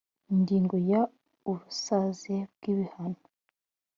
Ingingo ya ubusaze bw ibihano